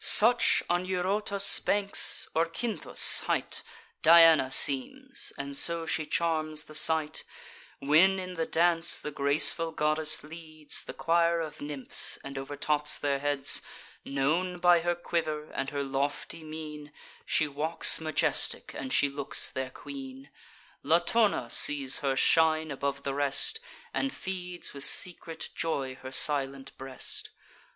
Such on Eurotas' banks, or Cynthus' height, Diana seems; and so she charms the sight, When in the dance the graceful goddess leads The choir of nymphs, and overtops their heads: Known by her quiver, and her lofty mien, She walks majestic, and she looks their queen; Latona sees her shine above the rest, And feeds with secret joy her silent breast.